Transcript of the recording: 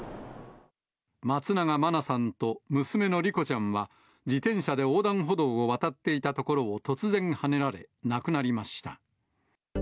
松永真菜さんと娘の莉子ちゃんは、自転車で横断歩道を渡っていたところを突然はねられ、亡くなりました。